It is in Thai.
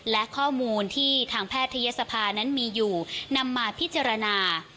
และข้อมูลที่ทางแพทยศภานั้นมีอยู่นำมาพิจารณา